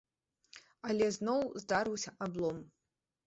Але зноў здарыўся аблом.